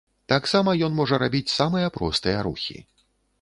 Таксама ён можа рабіць самыя простыя рухі.